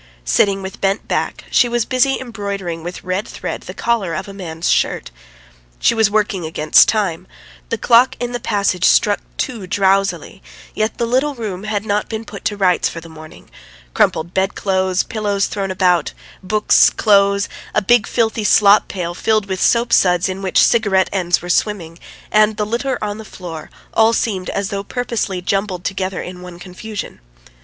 Sitting with bent back she was busy embroidering with red thread the collar of a man's shirt. She was working against time. ... The clock in the passage struck two drowsily, yet the little room had not been put to rights for the morning. Crumpled bed clothes, pillows thrown about, books, clothes, a big filthy slop pail filled with soap suds in which cigarette ends were swimming, and the litter on the floor all seemed as though purposely jumbled together in one confusion. .